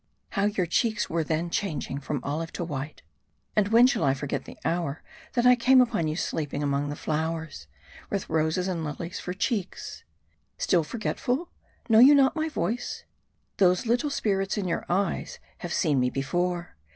How your cheeks were then changing from olive to white. And when shall I forget the hour, that I came upon you sleeping among the flowers, with roses and lilies for cheeks. Still forgetful ? Know you not my voice ? Those little spirits in your eyes have seen me before.